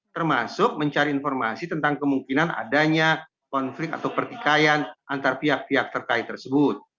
termasuk mencari informasi tentang kemungkinan adanya konflik atau pertikaian antar pihak pihak terkait tersebut